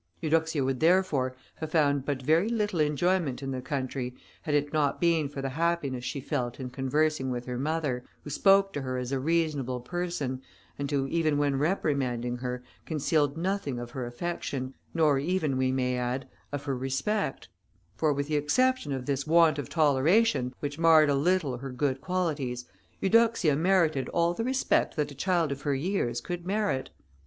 Eudoxia would, therefore, have found but very little enjoyment in the country, had it not been for the happiness she felt in conversing with her mother, who spoke to her as a reasonable person, and who, even when reprimanding her, concealed nothing of her affection, nor even, we may add, of her respect; for with the exception of this want of toleration, which marred a little her good qualities, Eudoxia merited all the respect that a child of her years could merit.